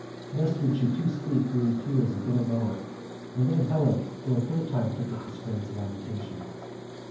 Thus did she too speak through her tears with bitter moan, and then Helen for a third time took up the strain of lamentation.